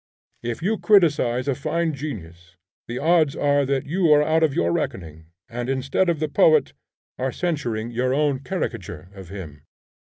If you criticise a fine genius, the odds are that you are out of your reckoning, and instead of the poet, are censuring your own caricature of him.